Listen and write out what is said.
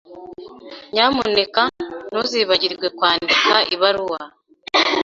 Nyamuneka ntuzibagirwe kwandika ibaruwa.